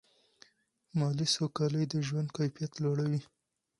مالي سوکالي د ژوند کیفیت لوړوي.